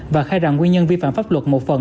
và khai rằng nguyên nhân vi phạm pháp luật một phần